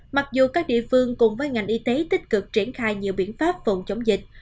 mặc dù các địa phương cùng với ngành y tế tích cực triển khai nhiều biện pháp phòng chống dịch